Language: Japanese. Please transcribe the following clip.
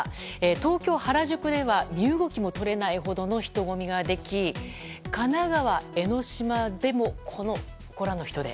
東京・原宿では身動きも取れないほどの人混みができ神奈川・江の島でもご覧の人出。